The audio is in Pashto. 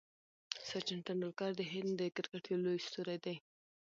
سچن ټندولکر د هند د کرکټ یو لوی ستوری دئ.